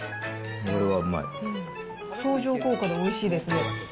相乗効果でおいしいですね。